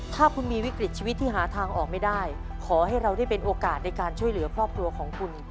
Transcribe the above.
ถ้าคุณมีวิกฤตชีวิตที่หาทางออกไม่ได้ขอให้เราได้เป็นโอกาสในการช่วยเหลือครอบครัวของคุณ